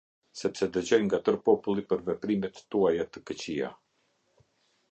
Sepse dëgjoj nga tërë populli për veprimet tuaja të këqija.